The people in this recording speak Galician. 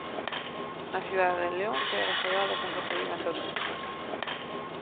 Na cidade de León foi agasallado cun recibimento triunfal.